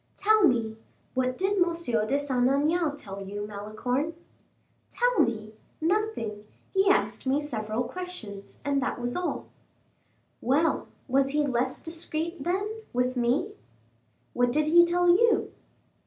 "Tell me, what did M. de Saint Aignan tell you, Malicorne?" "Tell me? nothing; he asked me several questions, and that was all." "Well, was he less discreet, then, with me." "What did he tell you?"